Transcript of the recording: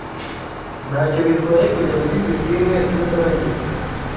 Ntacyo bitwaye kujya muri 'piscine' rusange?